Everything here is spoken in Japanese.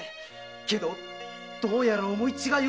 けどどうやら思い違いを。